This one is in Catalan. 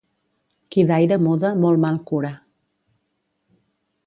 Qui d'aire muda molt mal cura.